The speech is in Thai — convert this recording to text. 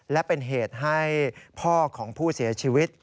และเป็นเหตุให้พ่อของผู้เสียชีวิต